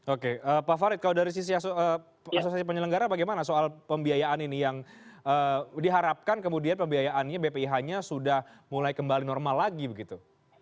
oke pak farid kalau dari sisi asosiasi penyelenggara bagaimana soal pembiayaan ini yang diharapkan kemudian pembiayaannya bpih nya sudah mulai kembali normal lagi begitu